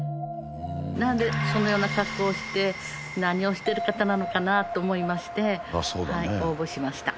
なんでそのような格好をして何をしてる方なのかなと思いまして応募しました。